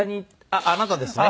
あなたですよ。